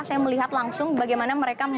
saya melihat langsung bagaimana mereka